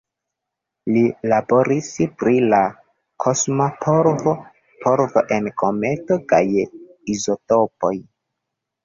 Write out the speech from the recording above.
Li laboris pri la kosma polvo, polvo en kometoj kaj izotopoj.